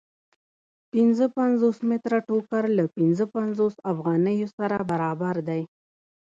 پنځه پنځوس متره ټوکر له پنځه پنځوس افغانیو سره برابر دی